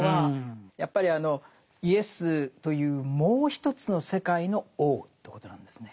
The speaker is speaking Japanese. やっぱりあのイエスというもう一つの世界の王ということなんですね。